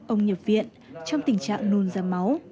ông nhập viện trong tình trạng nôn da máu